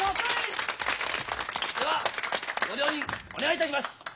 ではご両人お願いいたします。